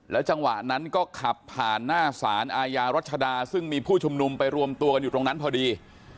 จังหวะนั้นก็ขับผ่านหน้าสารอาญารัชดาซึ่งมีผู้ชุมนุมไปรวมตัวกันอยู่ตรงนั้นพอดี